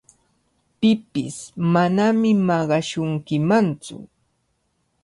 Pipish manami maqashunkimantsu.